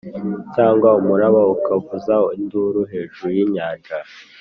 cyangwa umuraba ukavuza induru hejuru y'inyanja;